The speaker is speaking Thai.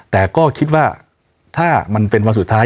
แต่ก็คิดว่าถ้ามันเป็นวันสุดท้าย